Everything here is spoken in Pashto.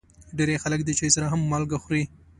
ډېری خلک د چای سره هم مالګه خوري.